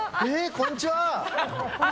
こんにちは。